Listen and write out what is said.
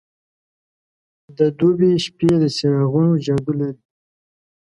د دوبی شپې د څراغونو جادو لري.